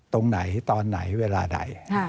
ตรงไหนตอนไหนเวลาใด